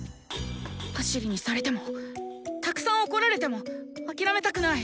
パシリにされてもたくさん怒られても諦めたくない。